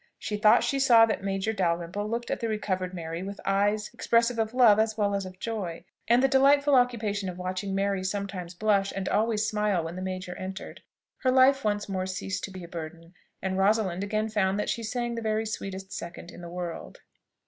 She thought she saw that Major Dalrymple looked at the recovered Mary with eyes expressive of love as well as of joy; and with this hope before her, and the delightful occupation of watching Mary sometimes blush, and always smile when the major entered, her life once more ceased to be a burden, and Rosalind again found that she sang the very sweetest second in the world.